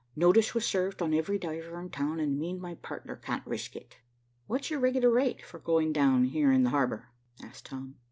Notice was served on every diver in town, and me and my partner can't risk it." "What's your regular rate for going down here in the harbor?" asked Tom.